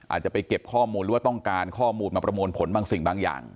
อาจจะไปเก็บข้อมูลหรือว่าต้องการข้อมูลมาประมวลผลบางสิ่งบางอย่าง